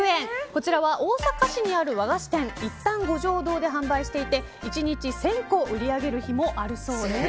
こちらは大阪市にある和菓子店ｉｔｔａｎ‐五篠堂‐で販売していて１日１０００個売り上げる日もあるそうです。